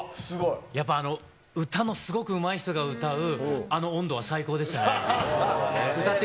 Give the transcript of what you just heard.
やっぱ、あの、歌のすごいうまい人が歌う、あの音頭は最高でした。